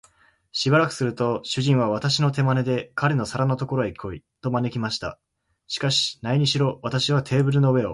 しばらくすると、主人は私を手まねで、彼の皿のところへ来い、と招きました。しかし、なにしろ私はテーブルの上を